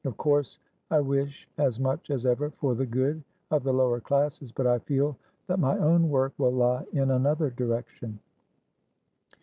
Of course I wish as much as ever for the good of the lower classes, but I feel that my own work will lie in another direction."